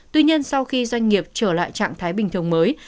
tuy nhiên sau khi doanh nghiệp trở lại trạng thái bình thường mới